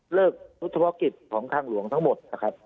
เลิกรุธภกิจของทางหลวงทั้งหมด